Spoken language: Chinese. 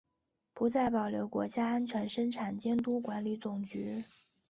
不再保留国家安全生产监督管理总局。